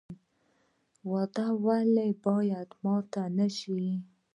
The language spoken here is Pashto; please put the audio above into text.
وعده ولې باید ماته نشي؟